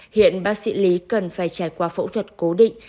hiện bác sĩ lý cần phải trải qua phẫu thuật cố định